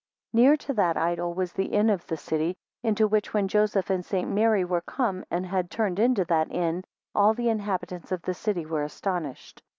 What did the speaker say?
9 Near to that idol was the inn of the city, into which when Joseph and St. Mary were come, and had turned into that inn, all the inhabitants of the city were astonished.